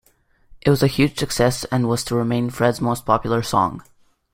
It was a huge success and was to remain Fred's most popular song.